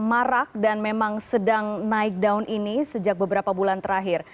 marak dan memang sedang naik daun ini sejak beberapa bulan terakhir